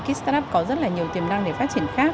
các start up có rất nhiều tiềm năng để phát triển khác